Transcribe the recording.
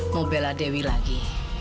mau bela dewi lagi